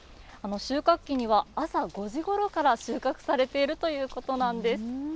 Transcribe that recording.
収穫期には、朝５時ごろから収穫されているということなんです。